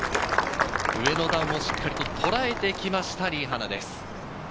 上の段をしっかりと捉えてきました、リ・ハナです。